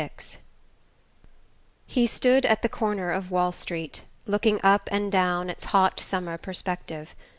XXXVI He stood at the corner of Wall Street, looking up and down its hot summer perspective.